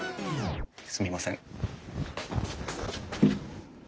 すみません。